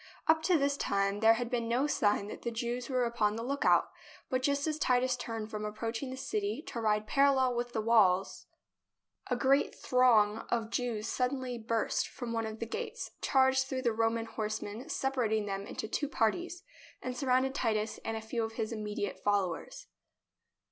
Up to this time there had been no sign that the Jews were upon the lookout, but just as Titus turned from approaching the city to ride parallel with the walls, a great throng of Jews THE BOOK OF FAMOUS SIEGES suddenly burst from one of the gates, charged through the Roman horsemen, separating them into two parties, and surrounded Titus and a few of his immediate followers.